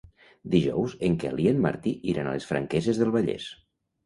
Dijous en Quel i en Martí iran a les Franqueses del Vallès.